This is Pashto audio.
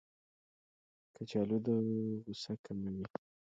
کچالو د غوسه کموي